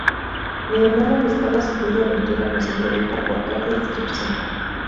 Mi hermano, buscando salud y aventura, nos introdujo por carta y descripción.